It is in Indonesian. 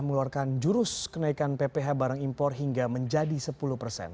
mengeluarkan jurus kenaikan pph barang impor hingga menjadi sepuluh persen